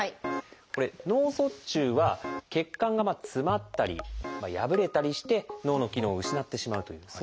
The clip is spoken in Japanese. これ「脳卒中」は血管が詰まったり破れたりして脳の機能を失ってしまうというそういう病気です。